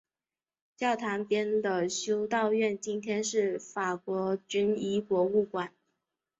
教堂边的修道院今天是法国军医博物馆。